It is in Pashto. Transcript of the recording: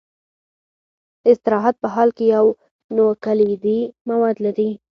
د استراحت په حال کې یو نوکلوئیدي مواد لري.